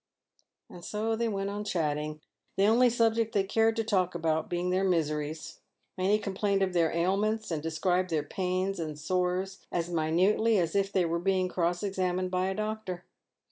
And so they went on chatting, the only subject they cared to talk about being their miseries. Many complained of their ailments, and described their pains and sores as minutely as if they were being cross examined by a doctor.